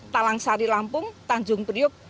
talang sari lampung tanjung priuk